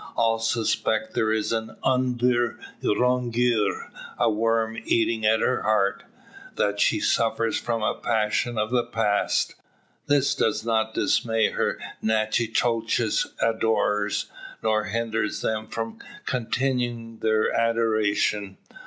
All suspect there is un ver rongeur a worm eating at her heart; that she suffers from a passion of the past. This does not dismay her Natchitoches adorers, nor hinder them from continuing their adoration.